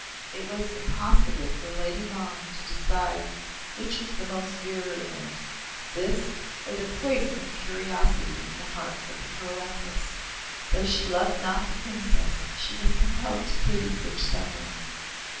It was impossible for Lady Ma to decide which was the most virulent, this, or the poison of curiosity in the heart of the Pearl Empress. Though she loved not the Princess she was compelled to pity such suffering.